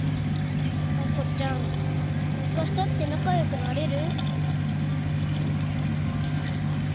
亜子ちゃんケンカしたって仲良くなれる？